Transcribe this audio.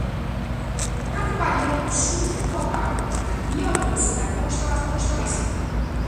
Preocupariam o Sul Global na biodança da constelação familiar